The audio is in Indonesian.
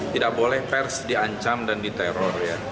tidak boleh pers diancam dan diteror ya